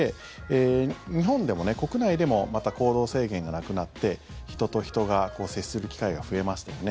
日本でも、国内でもまた行動制限がなくなって人と人が接する機会が増えましたよね。